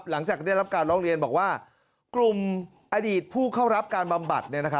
หลังจากได้รับการร้องเรียนบอกว่ากลุ่มอดีตผู้เข้ารับการบำบัด